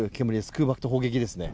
空爆と砲撃ですね。